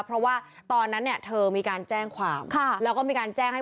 เพราะว่าตอนนั้นเนี่ยเธอมีการแจ้งความแล้วก็มีการแจ้งให้